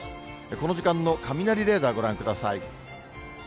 この時間の雷レーダー、ご覧ください。